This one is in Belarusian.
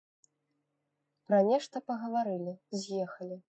Пра нешта пагаварылі, з'ехалі.